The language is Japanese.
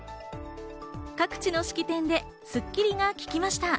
各地の式典で『スッキリ』が聞きました。